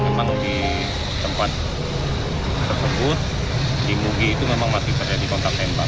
memang di tempat tersebut di mugi itu memang masih terjadi kontak tembak